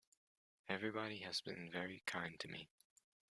Everybody has been very kind to me.